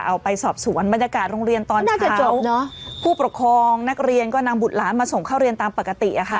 เอาไปสอบสวนบรรยากาศโรงเรียนตอนนี้ก็จบเนอะผู้ปกครองนักเรียนก็นำบุตรหลานมาส่งเข้าเรียนตามปกติอะค่ะ